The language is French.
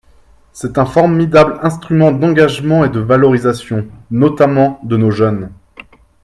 C’est un formidable instrument d’engagement et de valorisation, notamment de nos jeunes.